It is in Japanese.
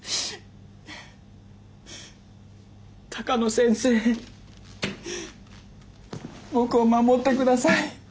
鷹野先生僕を守ってください。